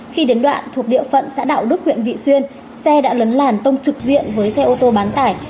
khi đến đoạn thuộc địa phận xã đạo đức huyện vị xuyên xe đã lấn làn tông trực diện với xe ô tô bán tải